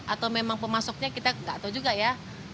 atau memang pemasoknya kita nggak tahu juga ya